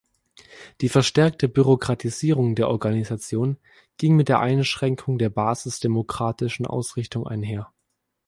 Die verstärkte Bürokratisierung der Organisation ging mit der Einschränkung der basisdemokratischen Ausrichtung einher.